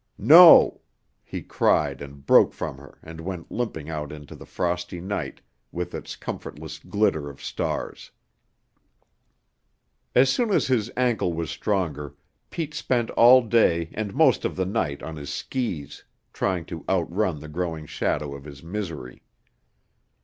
"No!" he cried and broke from her and went limping out into the frosty night with its comfortless glitter of stars. As soon as his ankle was stronger, Pete spent all day and most of the night on his skis, trying to outrun the growing shadow of his misery.